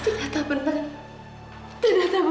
ternyata benar benar kita ketemu